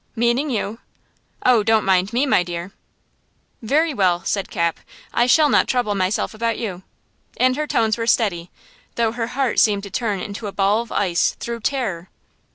"Meaning you." "Oh, don't mind me, my dear." "Very well," said Cap, "I shall not trouble myself about you," and her tones were steady, though her heart seemed turned into a ball of ice, through terror.